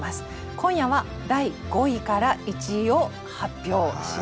今夜は第５位から１位を発表します。